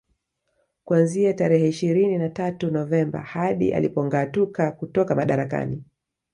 Kuanzia tarehe ishirini na tatu Novemba hadi alipongâatuka kutoka madarakani